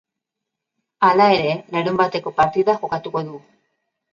Hala ere, larunbateko partida jokatuko du.